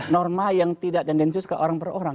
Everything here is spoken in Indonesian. norma yang tidak tendensius ke orang per orang